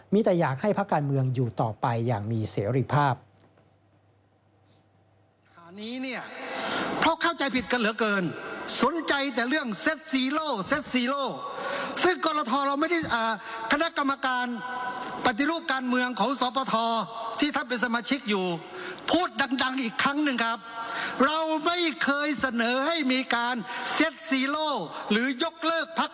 มีแต่อยากให้พักการเมืองอยู่ต่อไปอย่างมีเสรีภาพ